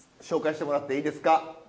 紹介してもらっていいですか。